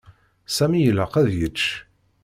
Sami ilaq ad yečč.